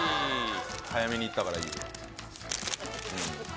早めにいったからいいよ。